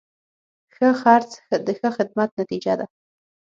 ښه خرڅ د ښه خدمت نتیجه ده.